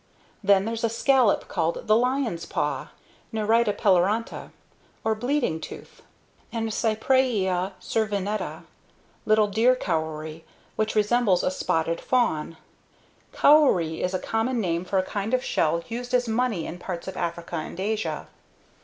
Then there's a scallop called the Lion's Paw; NERITA PELORONTA, or Bleeding Tooth; and CYPRAEA CERVINETTA, "little deer cowrie" which resembles a spotted fawn. (Cowrie is a common name for a kind of shell used as money in parts of Africa and Asia.)